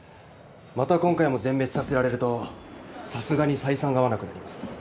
また今回も全滅させられるとさすがに採算が合わなくなります。